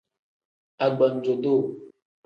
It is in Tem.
Agbanjo-duu.